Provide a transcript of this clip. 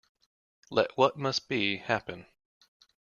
Let what must be, happen.